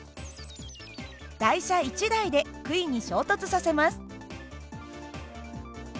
台車１台で杭に衝突させます。